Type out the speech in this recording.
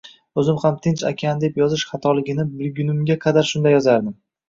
Oʻzim ham Tinch okeani deb yozish xatoligini bilgunimga qadar shunday yozardim